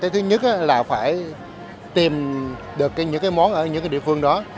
thứ nhất là phải tìm được những món ở những địa phương đó